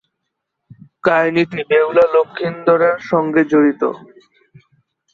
কাহিনীটি বেহুলা-লক্ষীন্দরের সঙ্গে জড়িত।